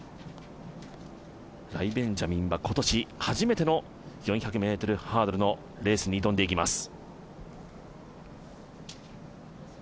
ライ・ベンジャミンは今年初めての４００ｍハードルのレースに挑んでいきます。